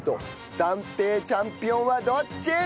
暫定チャンピオンはどっち！？